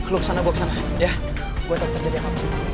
lu kesana gue kesana ya gue tau ntar jadi apa